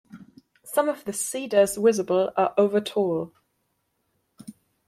Some of the cedars visible are over tall.